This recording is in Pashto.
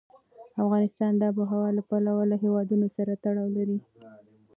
افغانستان د آب وهوا له پلوه له هېوادونو سره تړاو لري.